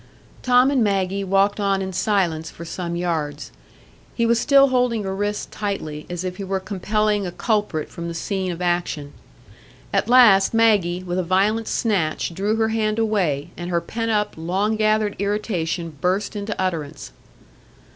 Tom and Maggie walked on in silence for some yards. He was still holding her wrist tightly, as if he were compelling a culprit from the scene of action. At last Maggie, with a violent snatch, drew her hand away, and her pent up, long gathered irritation burst into utterance.